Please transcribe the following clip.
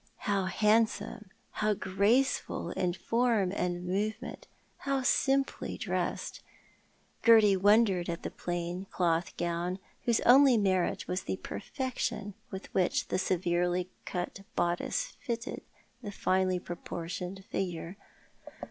How handsome, how graceful in form and movement; how simply dressed. Gerty wondered at the plain cloth gown, whose only merit was the perfection with which the severely cut bodice fitted the finely proportioned figure.